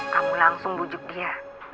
kamu langsung bujuk dia